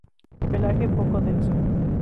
Pelaje poco denso.